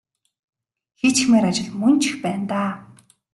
Хийчихмээр ажил мөн ч их байна даа.